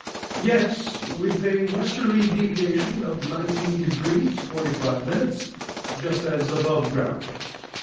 "Yes; with a westerly deviation of nineteen degrees forty five minutes, just as above ground.